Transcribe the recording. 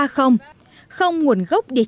không nguồn gốc địa chỉ